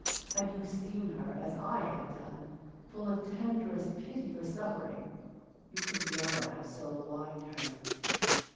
Had you seen her, as I have done full of tenderest pity for suffering you could never have so maligned her."